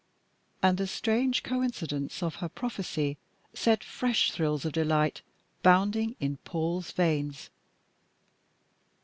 And the strange coincidence of her prophecy set fresh thrills of delight bounding in Paul's veins.